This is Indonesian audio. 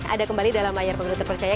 ada kembali dalam layar pemilu terpercaya